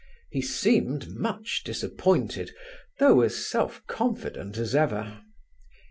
He seemed much disappointed, though as self confident as ever.